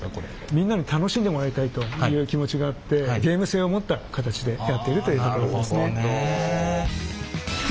みんなに楽しんでもらいたいという気持ちがあってゲーム性を持った形でやっているというところですね。